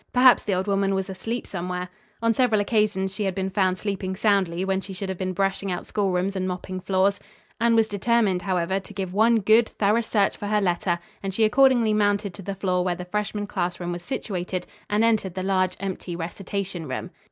Perhaps the old woman was asleep somewhere. On several occasions she had been found sleeping soundly when she should have been brushing out schoolrooms and mopping floors. Anne was determined, however, to give one good, thorough search for her letter and she accordingly mounted to the floor where the freshmen class room was situated and entered the large, empty recitation room.